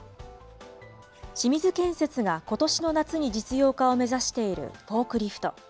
清水建設がことしの夏に実用化を目指しているフォークリフト。